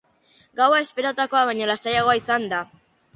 Gaua esperotakoa baino lasaiagoa izan da.